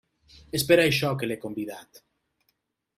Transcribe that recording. És per això que l'he convidat.